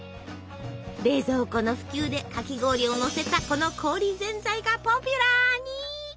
冷蔵庫の普及でかき氷をのせたこの氷ぜんざいがポピュラーに。